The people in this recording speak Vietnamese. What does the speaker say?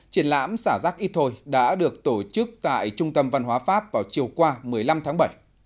triển lãm xả rác ít thôi đã được tổ chức tại trung tâm văn hóa pháp vào chiều qua một mươi năm tháng bảy